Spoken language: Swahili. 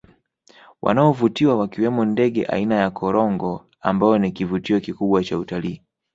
Wanaovutia wakiwemo ndege aina ya Korongo ambao ni kivutio kikubwa cha utalii